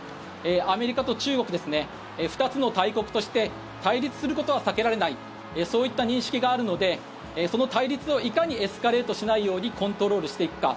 アメリカ、中国２つの大国として対立することは避けられないそういった認識があるのでその対立をいかにエスカレートしないようにコントロールしていくか。